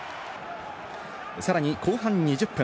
さらに後半２０分。